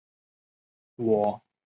我们快被冻僵了！